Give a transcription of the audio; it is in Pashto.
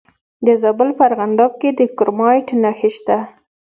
د زابل په ارغنداب کې د کرومایټ نښې شته.